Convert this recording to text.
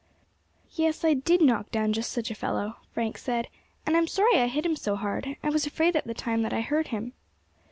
"Yes, I did knock down just such a fellow," Frank said, "and I am sorry I hit him so hard; I was afraid at the time that I hurt him."